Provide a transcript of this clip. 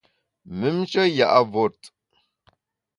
Mümnshe ya’ vot.